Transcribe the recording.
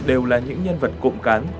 đều là những nhân vật cụm cán